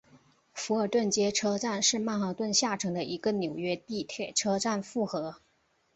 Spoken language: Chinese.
福尔顿街车站是曼哈顿下城的一个纽约地铁车站复合。